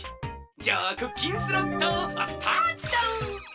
じゃあクッキンスロットスタート！